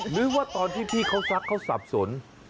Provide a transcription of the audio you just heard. หรือว่าตอนที่พี่เขาซักเขาสับสน